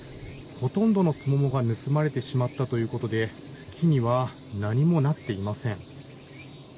ほとんどのスモモが盗まれてしまったということで木には何もなっていません。